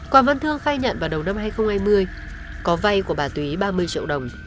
quảng văn thương khai nhận vào đầu năm hai nghìn hai mươi có vay của bà túy ba mươi triệu đồng